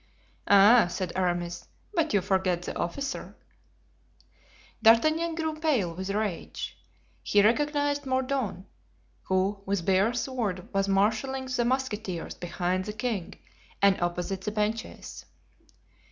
"Ah!" said Aramis, "but you forget the officer." D'Artagnan grew pale with rage. He recognized Mordaunt, who with bare sword was marshalling the musketeers behind the king and opposite the benches.